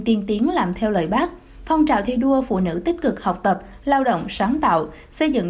tiên tiến làm theo lời bác phong trào thi đua phụ nữ tích cực học tập lao động sáng tạo xây dựng